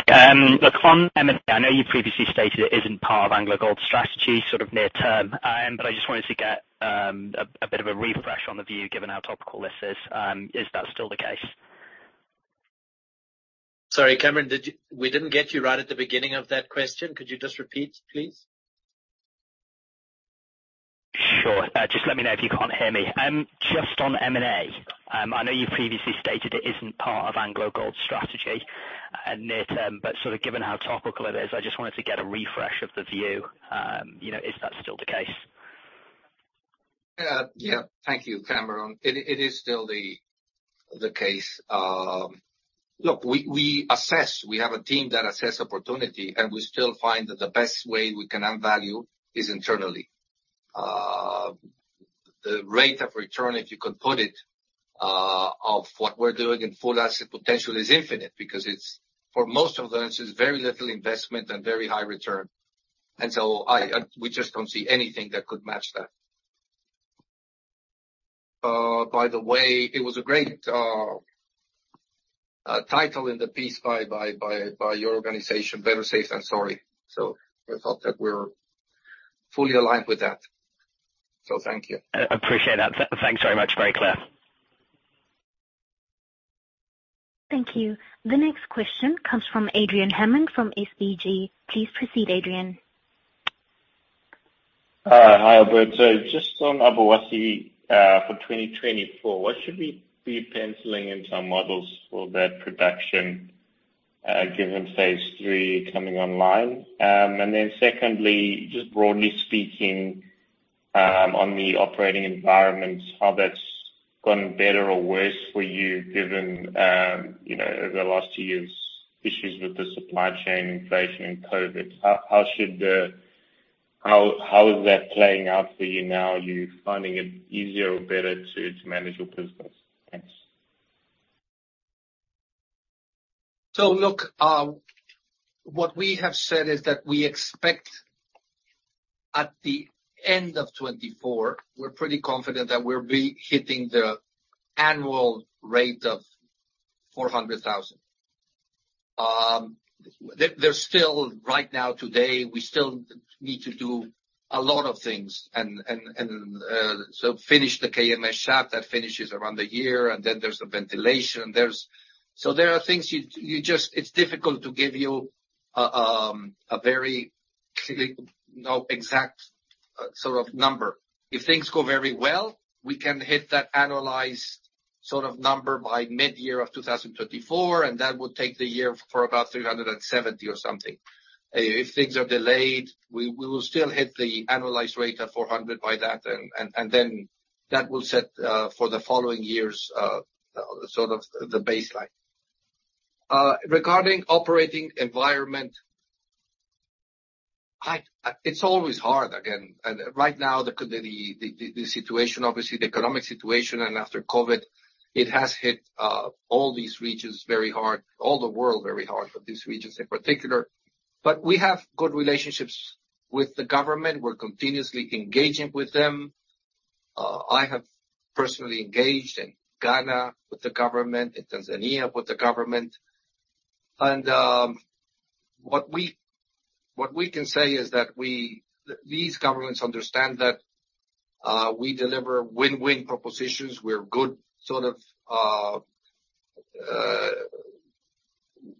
Look on M&A, I know you previously stated it isn't part of Anglo Gold strategy sort of near term. I just wanted to get a bit of a refresh on the view given how topical this is. Is that still the case? Sorry, Cameron, we didn't get you right at the beginning of that question. Could you just repeat, please? Sure. Just let me know if you can't hear me. Just on M&A, I know you previously stated it isn't part of AngloGold strategy at near term, but sort of given how topical it is, I just wanted to get a refresh of the view. You know, is that still the case? Yeah. Thank you, Cameron. It is still the case. Look, we assess. We have a team that assess opportunity, and we still find that the best way we can add value is internally. The rate of return, if you could put it, of what we're doing in Full Asset Potential is infinite because it's. For most of them, it is very little investment and very high return. I, we just don't see anything that could match that. By the way, it was a great title in the piece by your organization, Better Safe than Sorry. I thought that we're fully aligned with that. Thank you. I appreciate that. thanks very much. Very clear. Thank you. The next question comes from Adrian Hammond from Standard Bank Group. Please proceed, Adrian. Hi, Alberto. Just on Obuasi, for 2024, what should we be penciling in some models for that production, given Phase III coming online? Secondly, just broadly speaking, on the operating environment, how that's gotten better or worse for you given, you know, over the last 2 years, issues with the supply chain, inflation and COVID. How is that playing out for you now? Are you finding it easier or better to manage your business? Thanks. What we have said is that we expect at the end of 2024, we're pretty confident that we'll be hitting the annual rate of 400,000. There's still, right now, today, we still need to do a lot of things and so finish the Kwesi Mensah Shaft. That finishes around the year, and then there's the ventilation. There are things you just. It's difficult to give you a very clear, you know, exact sort of number. If things go very well, we can hit that annualized sort of number by midyear of 2024, and that would take the year for about 370 or something. If things are delayed, we will still hit the annualized rate of 400 by that, and then that will set for the following years, sort of the baseline. Regarding operating environment, it's always hard again. Right now, the situation, obviously the economic situation and after COVID, it has hit all these regions very hard, all the world very hard, but these regions in particular. We have good relationships with the government. We're continuously engaging with them. I have personally engaged in Ghana with the government, in Tanzania with the government. What we can say is that these governments understand that we deliver win-win propositions. We're good, sort of,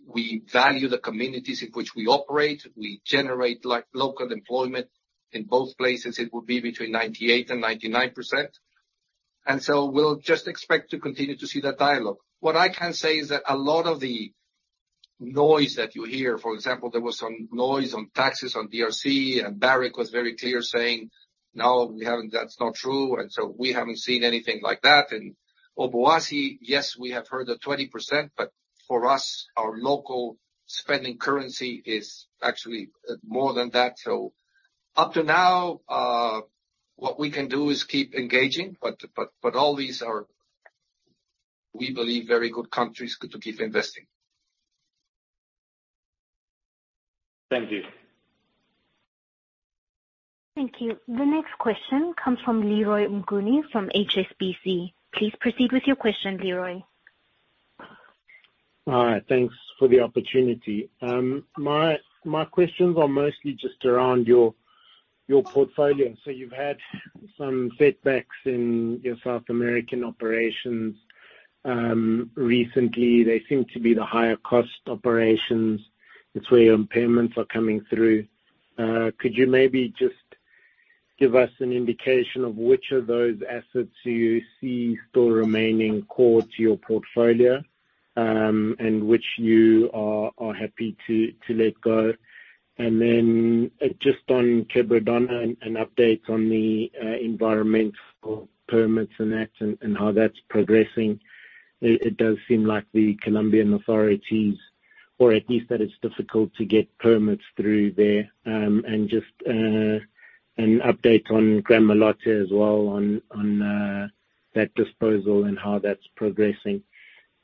we value the communities in which we operate. We generate local employment. In both places, it would be between 98% and 99%. So we'll just expect to continue to see that dialogue. What I can say is that a lot of the noise that you hear, for example, there was some noise on taxes on DRC, and Barrick was very clear saying, "No, we haven't. That's not true." So we haven't seen anything like that. In Obuasi, yes, we have heard the 20%, but for us, our local spending currency is actually more than that. So up to now, what we can do is keep engaging. All these are, we believe, very good countries to keep investing. Thank you. Thank you. The next question comes from Leroy Mnguni from HSBC. Please proceed with your question, Leroy. All right. Thanks for the opportunity. My questions are mostly just around your portfolio. You've had some setbacks in your South American operations recently. They seem to be the higher cost operations. It's where your impairments are coming through. Could you maybe just give us an indication of which of those assets you see still remaining core to your portfolio? Which you are happy to let go. Just on Quebradona, an update on the environmental permits and how that's progressing. It does seem like the Colombian authorities, or at least that it's difficult to get permits through there. Just an update on Gramalote as well on that disposal and how that's progressing.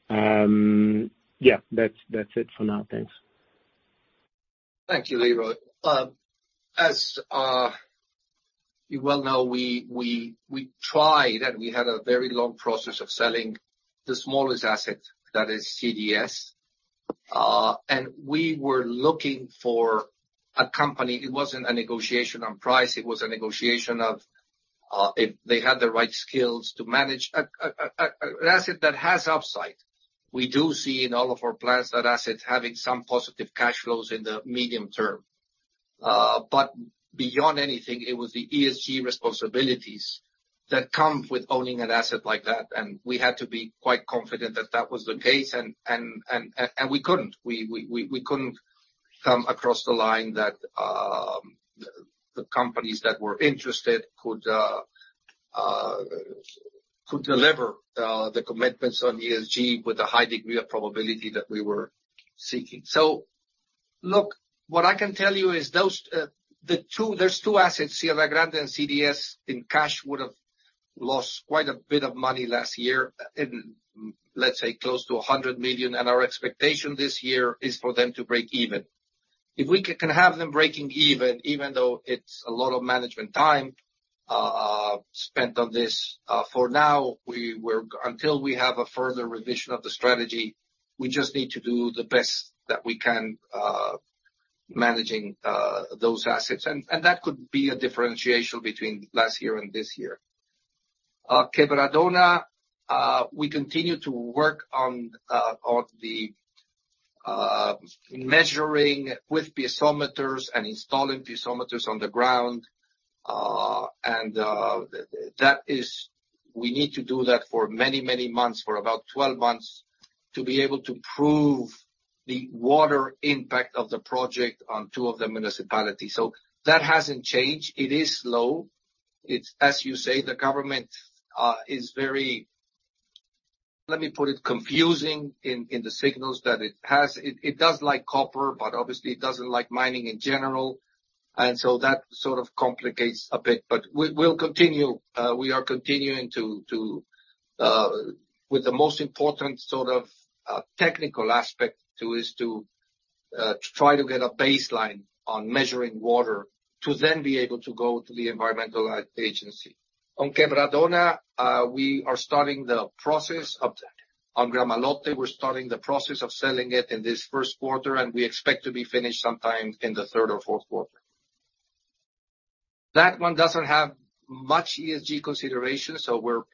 Yeah, that's it for now. Thanks. Thank you, Leroy. As you well know, we tried and we had a very long process of selling the smallest asset that is CdS. We were looking for a company. It wasn't a negotiation on price, it was a negotiation of if they had the right skills to manage an asset that has upside. We do see in all of our plans that asset having some positive cash flows in the medium term. Beyond anything, it was the ESG responsibilities that come with owning an asset like that, and we had to be quite confident that that was the case. We couldn't. We couldn't come across the line that the companies that were interested could deliver the commitments on ESG with a high degree of probability that we were seeking. What I can tell you is there's two assets, Serra Grande and CDS, in cash would've lost quite a bit of money last year in, let's say, close to $100 million. Our expectation this year is for them to break even. If we can have them breaking even though it's a lot of management time spent on this, for now, until we have a further revision of the strategy, we just need to do the best that we can managing those assets. That could be a differentiation between last year and this year. Quebradona, we continue to work on the measuring with piezometers and installing piezometers on the ground. That is we need to do that for many, many months, for about 12 months, to be able to prove the water impact of the project on 2 of the municipalities. That hasn't changed. It is slow. It's as you say, the government is very Let me put it, confusing in the signals that it has. It does like copper, but obviously it doesn't like mining in general. That sort of complicates a bit. We'll continue. We are continuing to With the most important sort of technical aspect to is to try to get a baseline on measuring water to then be able to go to the environmental agency. On Quebradona, we are starting the process of that. On Gramalote, we're starting the process of selling it in this first quarter, and we expect to be finished sometime in the third or fourth quarter. That one doesn't have much ESG consideration, so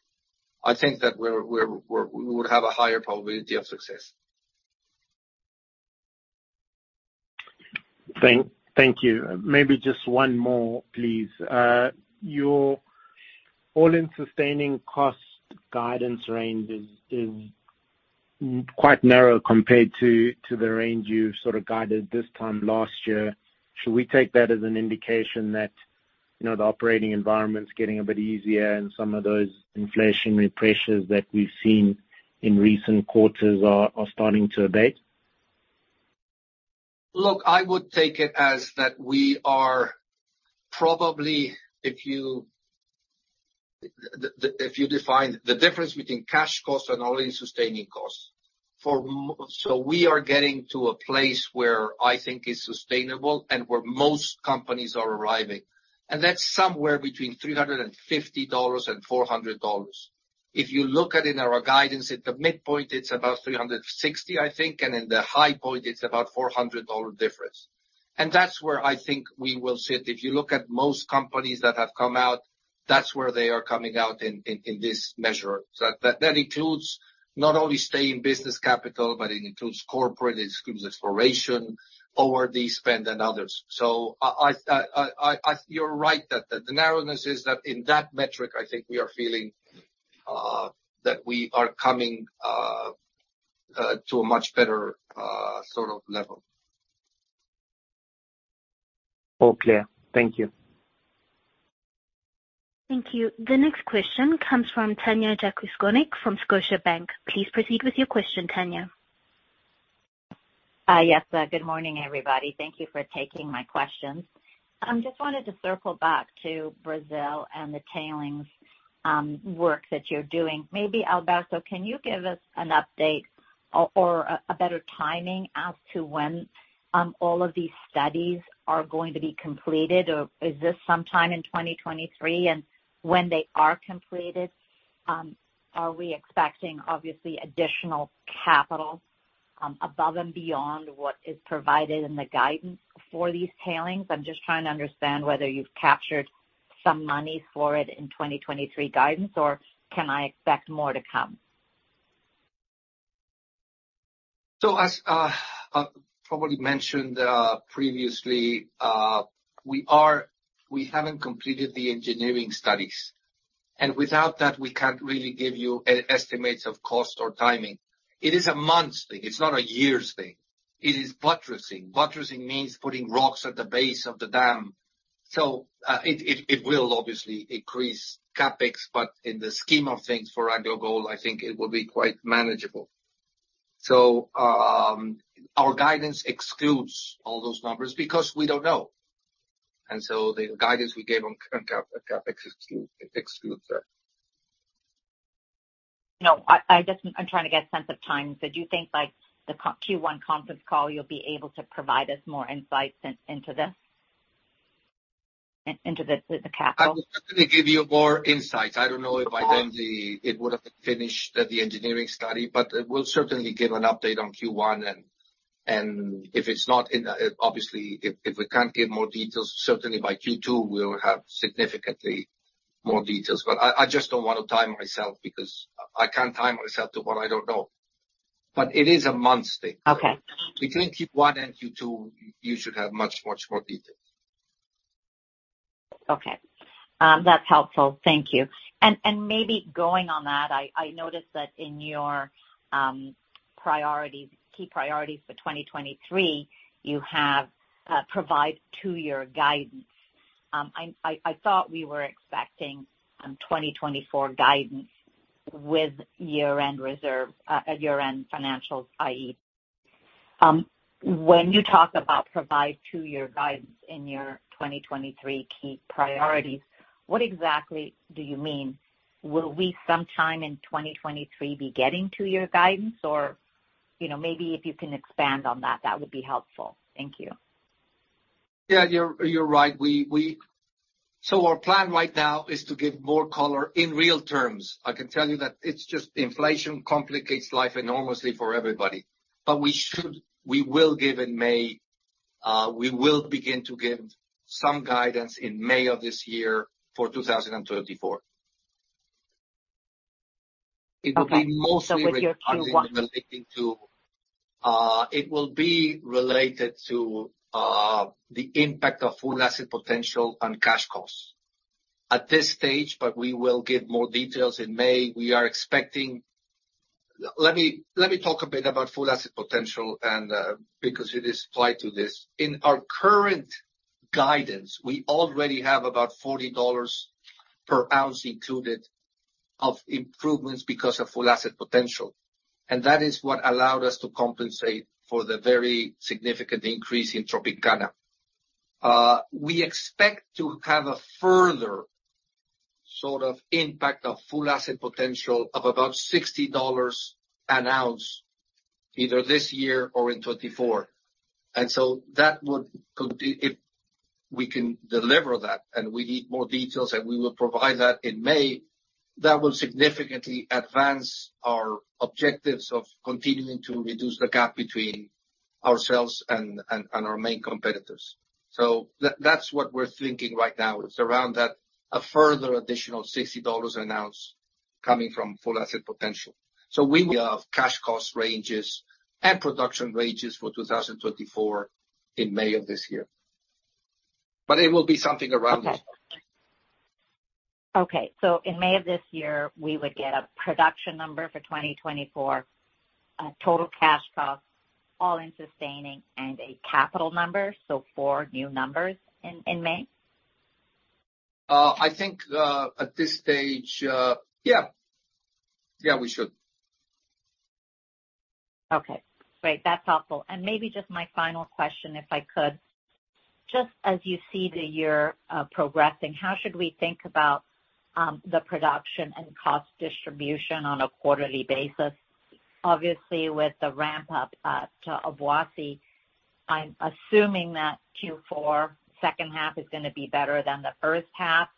I think that we would have a higher probability of success. Thank you. Maybe just one more, please. Your All-in sustaining cost guidance range is quite narrow compared to the range you've sort of guided this time last year. Should we take that as an indication that, you know, the operating environment's getting a bit easier and some of those inflationary pressures that we've seen in recent quarters are starting to abate? I would take it as that we are probably, if you define the difference between cash costs and all-in sustaining costs. We are getting to a place where I think is sustainable and where most companies are arriving, and that's somewhere between $350 and $400. If you look at in our guidance, at the midpoint, it's about $360, I think, and in the high point it's about $400 difference. That's where I think we will sit. If you look at most companies that have come out, that's where they are coming out in this measure. That includes not only stay in business capital, but it includes corporate, it includes exploration, Ore Reserve Development spend and others. I you're right that the narrowness is that in that metric, I think we are feeling that we are coming to a much better sort of level. All clear. Thank you. Thank you. The next question comes from Tanya Jakusconek from Scotiabank. Please proceed with your question, Tanya. Yes. Good morning, everybody. Thank you for taking my questions. I just wanted to circle back to Brazil and the tailings work that you're doing. Maybe Alberto, can you give us an update or a better timing as to when all of these studies are going to be completed, or is this sometime in 2023? When they are completed, are we expecting obviously additional capital above and beyond what is provided in the guidance for these tailings? I'm just trying to understand whether you've captured some money for it in 2023 guidance, or can I expect more to come? As probably mentioned previously, we haven't completed the engineering studies. Without that, we can't really give you estimates of cost or timing. It is a months thing. It's not a years thing. It is buttressing. Buttressing means putting rocks at the base of the dam. It will obviously increase CapEx, but in the scheme of things for AngloGold Ashanti, I think it will be quite manageable. Our guidance excludes all those numbers because we don't know. The guidance we gave on CapEx, it excludes that. No, I just I'm trying to get a sense of timing. Do you think by the Q1 conference call, you'll be able to provide us more insights into this? Into the capital? I will certainly give you more insights. I don't know if by then the engineering study, but we'll certainly give an update on Q1. If it's not in, obviously, if we can't give more details, certainly by Q2, we'll have significantly more details. I just don't want to time myself because I can't time myself to what I don't know. It is a months thing. Okay. Between Q1 and Q2, you should have much more details. Okay. That's helpful. Thank you. Maybe going on that, I noticed that in your priorities, key priorities for 2023, you have provide two-year guidance. I thought we were expecting 2024 guidance with year-end reserve, year-end financials, i.e. When you talk about provide two-year guidance in your 2023 key priorities, what exactly do you mean? Will we sometime in 2023 be getting two-year guidance? You know, maybe if you can expand on that would be helpful. Thank you. Yeah, you're right. Our plan right now is to give more color in real terms. I can tell you that it's just inflation complicates life enormously for everybody. We will begin to give some guidance in May of this year for 2034. Okay. Also with your Q1. It will be related to the impact of Full Asset Potential and cash costs. At this stage, we will give more details in May, we are expecting... Let me talk a bit about Full Asset Potential and because it is applied to this. In our current guidance, we already have about $40 per ounce included of improvements because of Full Asset Potential. That is what allowed us to compensate for the very significant increase in Tropicana. We expect to have a further sort of impact of Full Asset Potential of about $60 an ounce either this year or in 2024. That would if we can deliver that, and we need more details, and we will provide that in May, that will significantly advance our objectives of continuing to reduce the gap between ourselves and our main competitors. That's what we're thinking right now. It's around that a further additional $60 an ounce coming from Full Asset Potential. We will have cash cost ranges and production ranges for 2024 in May of this year. It will be something around this. In May of this year, we would get a production number for 2024, a total cash cost, all-in sustaining, and a capital number, so four new numbers in May? I think, at this stage, yeah. We should. Okay. Great. That's helpful. Maybe just my final question, if I could. Just as you see the year progressing, how should we think about the production and cost distribution on a quarterly basis? Obviously, with the ramp-up to Obuasi, I'm assuming that Q4 second half is going to be better than the first half.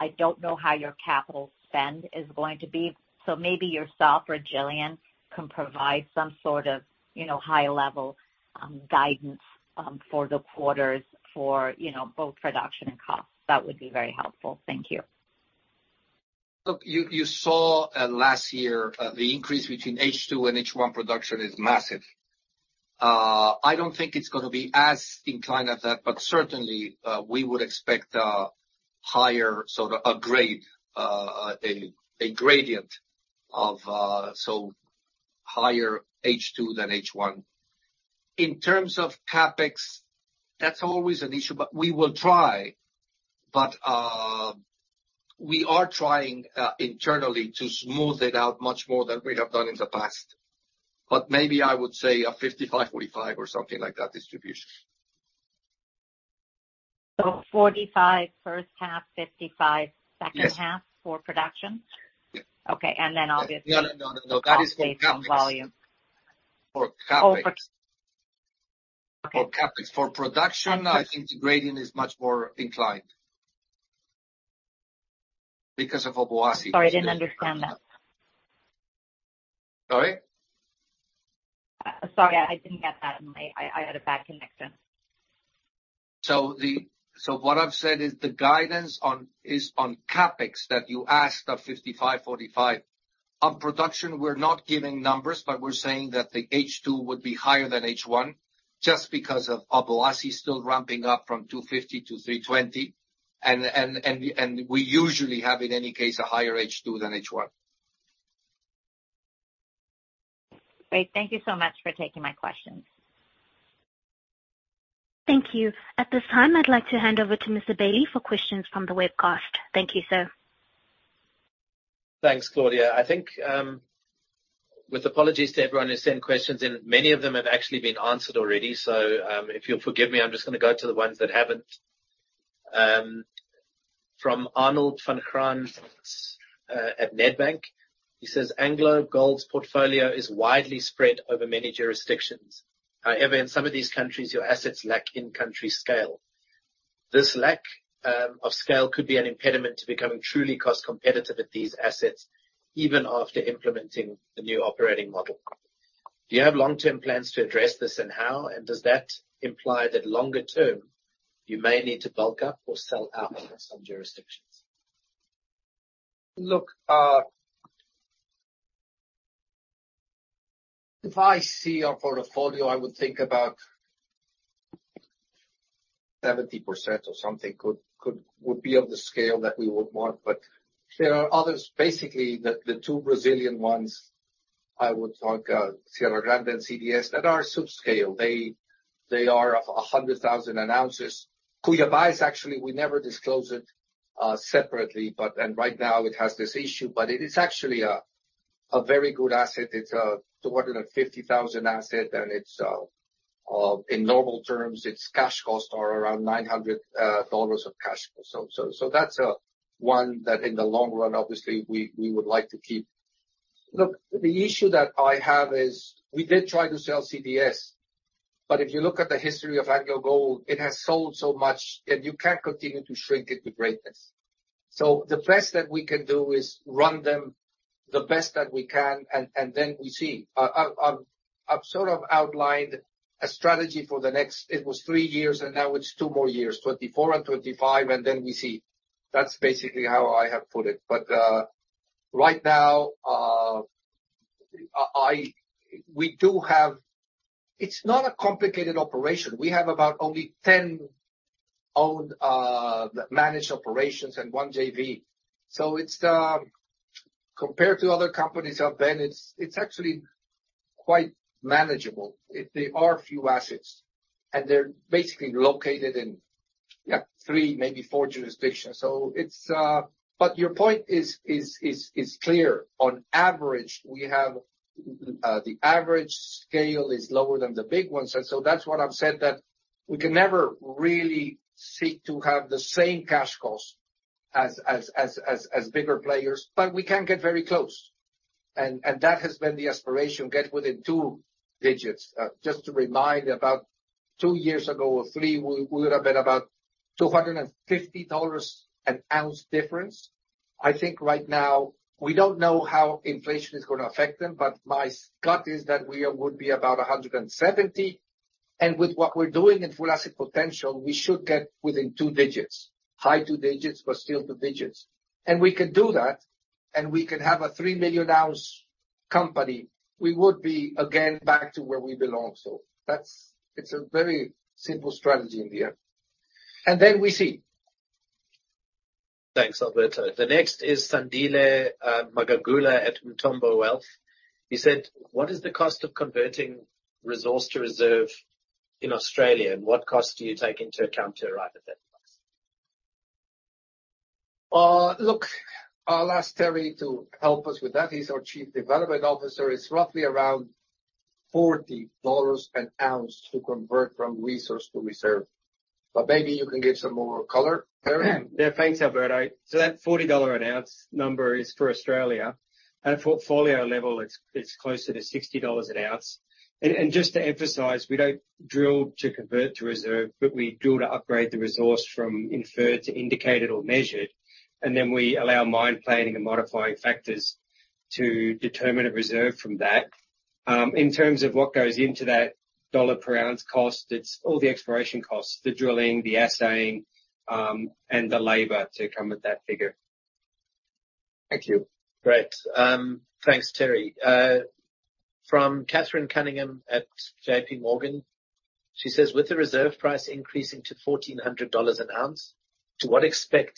I don't know how your capital spend is going to be. So maybe yourself or Gillian can provide some sort of, you know, high level guidance for the quarters for, you know, both production and costs. That would be very helpful. Thank you. Look, you saw last year, the increase between H2 and H1 production is massive. I don't think it's going to be as inclined as that, certainly, we would expect a higher, sort of a grade, a gradient of, so higher H2 than H1. In terms of CapEx, that's always an issue, we will try. We are trying internally to smooth it out much more than we have done in the past. Maybe I would say a 55, 45 or something like that distribution. 45 first half, 55 second half. Yes. -for production? Yeah. Okay. And then obviously- No, no, no. That is for CapEx. cost based on volume. For CapEx. Oh, for... Okay. For CapEx. For production. I'm sorry. I think the gradient is much more inclined because of Obuasi. Sorry, I didn't understand that. Sorry? Sorry, I didn't get that. I had a bad connection. What I've said is the guidance on CapEx that you asked of 55, 45. On production, we're not giving numbers, but we're saying that the H2 would be higher than H1 just because of Obuasi still ramping up from 250 to 320. We usually have, in any case, a higher H2 than H1. Great. Thank you so much for taking my questions. Thank you. At this time, I'd like to hand over to Mr. Bailey for questions from the webcast. Thank you, sir. Thanks, Claudia. I think, with apologies to everyone who sent questions in, many of them have actually been answered already. If you'll forgive me, I'm just gonna go to the ones that haven't. From Arnold van Graan, at Nedbank. He says, "AngloGold's portfolio is widely spread over many jurisdictions. However, in some of these countries, your assets lack in-country scale. This lack, of scale could be an impediment to becoming truly cost competitive at these assets even after implementing the new operating model. Do you have long-term plans to address this, and how? Does that imply that longer term you may need to bulk up or sell out on some jurisdictions? If I see our portfolio, I would think about 70% or something would be of the scale that we would want. There are others. Basically, the two Brazilian ones, I would talk, Serra Grande and CdS, that are subscale. They are 100,000 ounces. Cuiabá is actually, we never disclose it separately, but right now it has this issue, but it is actually a very good asset. It's a 250,000 asset, and it's in normal terms, its cash costs are around $900 of cash cost. That's one that in the long run, obviously, we would like to keep. The issue that I have is we did try to sell CDS, but if you look at the history of AngloGold Ashanti, it has sold so much, and you can't continue to shrink it to greatness. The best that we can do is run them the best that we can, and then we see. I've sort of outlined a strategy for the next, it was three years, and now it's two more years, 2024 and 2025, and then we see. That's basically how I have put it. Right now, we do have. It's not a complicated operation. We have about only 10 owned, managed operations and one JV. It's, compared to other companies out there, and it's actually quite manageable. They are few assets, and they're basically located in, yeah, three, maybe four jurisdictions. Your point is clear. On average, we have the average scale is lower than the big ones. That's what I've said, that we can never really seek to have the same cash costs as bigger players, but we can get very close. That has been the aspiration: get within two digits. Just to remind, about two years ago or three, we would have been about $250 an ounce difference. I think right now we don't know how inflation is gonna affect them, but my gut is that we would be about $170. With what we're doing in full asset potential, we should get within two digits. High two digits, but still two digits. We can do that, and we can have a 3 million ounce company. We would be, again, back to where we belong. It's a very simple strategy in the end. We see. Thanks, Alberto. The next is Sandile Magagula at Umthombo Wealth. He said, "What is the cost of converting resource to reserve in Australia, and what cost do you take into account to arrive at that price? Look, I'll ask Terry to help us with that. He's our chief development officer. It's roughly around $40 an ounce to convert from resource to reserve. Maybe you can give some more color, Terry. Yeah, thanks, Alberto. That $40 an ounce number is for Australia. At a portfolio level it's closer to $60 an ounce. Just to emphasize, we don't drill to convert to reserve, but we drill to upgrade the resource from inferred to indicated or measured, and then we allow mine planning and modifying factors to determine a reserve from that. In terms of what goes into that $ per ounce cost, it's all the exploration costs, the drilling, the assaying, and the labor to come with that figure. Thank you. Great. Thanks, Terry. From Catherine Cunningham at J.P. Morgan, she says, "With the reserve price increasing to $1,400 an ounce, to what extent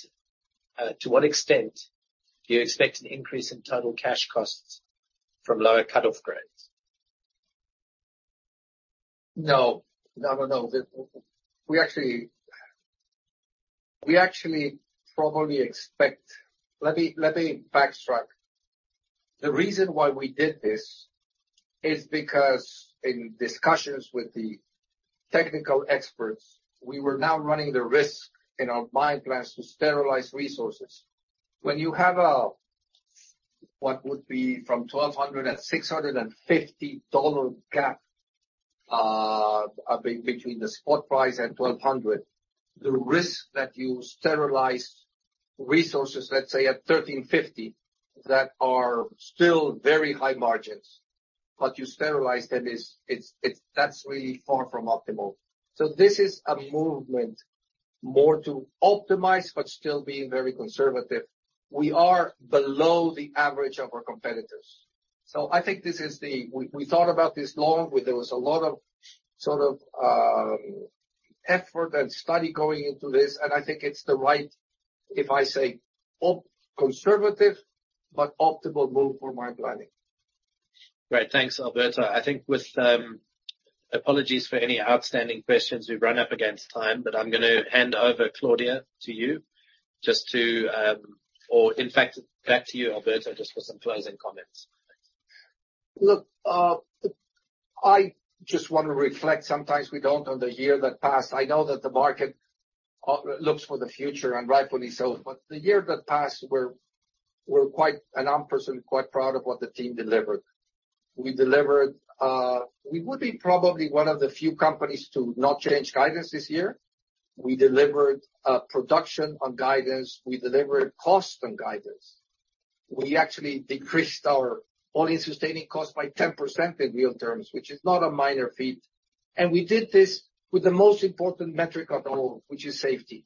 do you expect an increase in total cash costs from lower cut-off grades? No. No, no. We actually probably expect... Let me backtrack. The reason why we did this is because in discussions with the technical experts, we were now running the risk in our mine plans to sterilize resources. When you have a, what would be from $1,200 and $650 gap, between the spot price and $1,200, the risk that you sterilize resources, let's say at $1,350, that are still very high margins. You sterilize them is, it's. That's really far from optimal. This is a movement more to optimize, but still being very conservative. We are below the average of our competitors. I think this is the. We thought about this long. There was a lot of sort of, effort and study going into this. I think it's the right, if I say, conservative, but optimal move for mine planning. Great. Thanks, Alberto. I think with apologies for any outstanding questions, we've run up against time. I'm going to hand over Claudia to you just to, or in fact, back to you, Alberto, just for some closing comments. Look, I just wanna reflect sometimes we don't know the year that passed. I know that the market looks for the future, and rightfully so. The year that passed, we're quite, and I'm personally quite proud of what the team delivered. We delivered. We would be probably one of the few companies to not change guidance this year. We delivered production on guidance. We delivered cost on guidance. We actually decreased our All-in Sustaining Cost by 10% in real terms, which is not a minor feat. We did this with the most important metric of all, which is safety.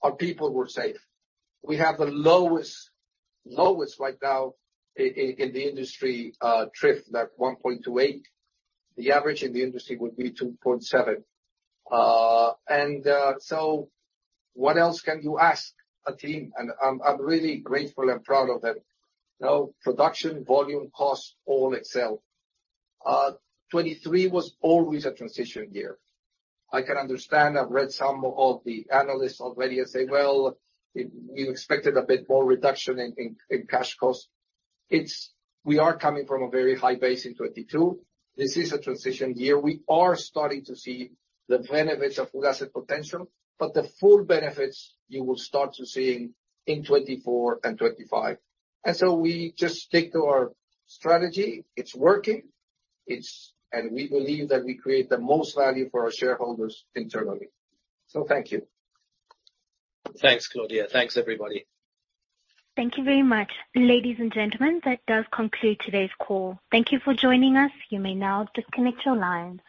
Our people were safe. We have the lowest right now in the industry, TRIF, like 1.28. The average in the industry would be 2.7. What else can you ask a team? I'm really grateful and proud of them. You know, production, volume, cost, all excel. 2023 was always a transition year. I can understand. I've read some of the analysts already and say, "Well, we expected a bit more reduction in cash costs." We are coming from a very high base in 2022. This is a transition year. We are starting to see the benefits of full asset potential. The full benefits you will start to seeing in 2024 and 2025. We just stick to our strategy. It's working. We believe that we create the most value for our shareholders internally. Thank you. Thanks, Claudia. Thanks, everybody. Thank you very much. Ladies and gentlemen, that does conclude today's call. Thank you for joining us. You may now disconnect your lines.